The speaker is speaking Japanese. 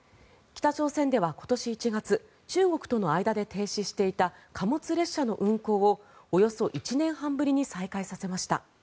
北朝鮮では今年１月中国との間で停止していた貨物列車の運行をおよそ１年半ぶりに再開させました。